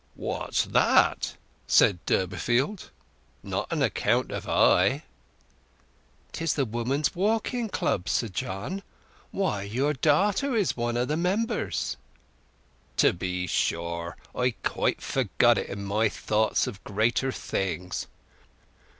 "What's that?" said Durbeyfield. "Not on account o' I?" "'Tis the women's club walking, Sir John. Why, your da'ter is one o' the members." "To be sure—I'd quite forgot it in my thoughts of greater things!